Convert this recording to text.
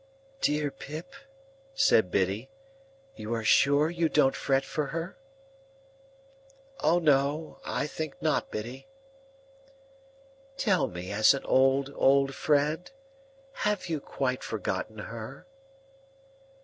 "Dear Pip," said Biddy, "you are sure you don't fret for her?" "O no,—I think not, Biddy." "Tell me as an old, old friend. Have you quite forgotten her?